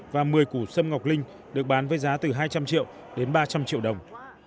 và một mươi củ sâm ngọc linh được bán với giá từ hai trăm linh triệu đến ba trăm linh triệu đồng